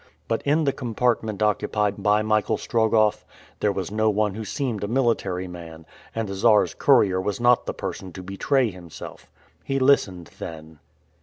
But in the compartment occupied by Michael Strogoff, there was no one who seemed a military man, and the Czar's courier was not the person to betray himself. He listened, then.